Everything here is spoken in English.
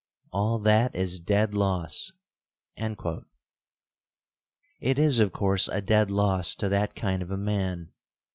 All that is dead loss." It is, of course, a dead loss to that kind of a man.